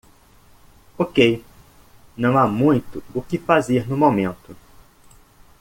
Ok,? não há muito o que fazer no momento.